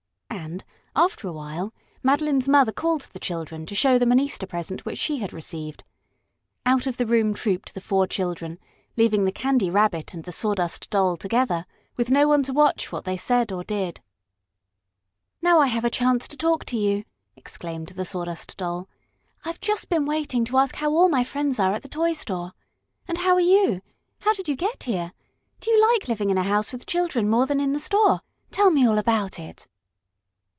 And, after a while, Madeline's mother called the children to show them an Easter present which she had received. Out of the room trooped the four children, leaving the Candy Rabbit and the Sawdust Doll together, with no one to watch what they said or did. "Now I have a chance to talk to you!" exclaimed the Sawdust Doll. "I've just been waiting to ask how all my friends are at the toy store. And how are you? How did you get here? Do you like living in a house with children more than in the store? Tell me all about it!"